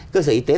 cơ sở y tế